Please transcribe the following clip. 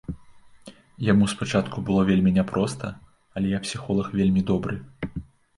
Яму спачатку было вельмі няпроста, але я псіхолаг вельмі добры.